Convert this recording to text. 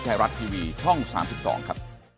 ไทยรัฐทีวีช่อง๓๒ครับ